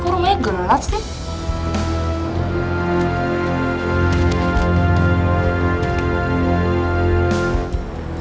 kok rumahnya gelap sih